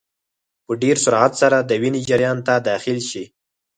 په ډېر سرعت سره د وینې جریان ته داخل شي.